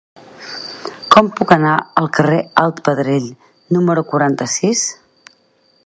Com puc anar al carrer Alt de Pedrell número quaranta-sis?